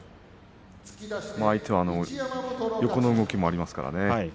相手は横の動きもありますからね。